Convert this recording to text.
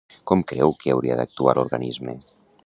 Com creu que hauria d'actuar l'organisme?